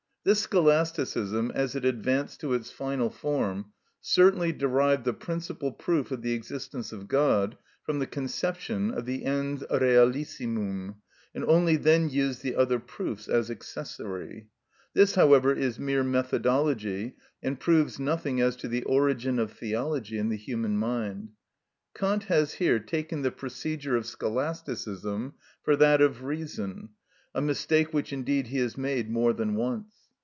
This Scholasticism, as it advanced to its final form, certainly derived the principal proof of the existence of God from the conception of the ens realissimum, and only then used the other proofs as accessory. This, however, is mere methodology, and proves nothing as to the origin of theology in the human mind. Kant has here taken the procedure of Scholasticism for that of reason—a mistake which indeed he has made more than once.